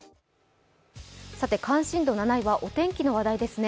関心度７位はお天気の話題ですね。